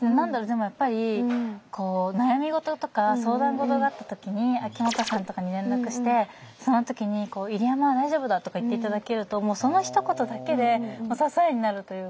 でもやっぱりこう悩み事とか相談事があった時に秋元さんとかに連絡してその時に「入山は大丈夫だ」とか言って頂けるともうそのひと言だけで支えになるというか。